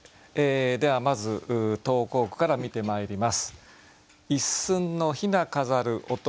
ではまず投稿句から見てまいります。